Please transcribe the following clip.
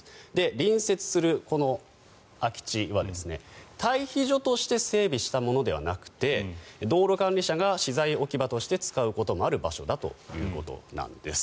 隣接する空き地は、待避所として整備したものではなくて道路管理者が資材置き場として使うこともある場所だということなんです。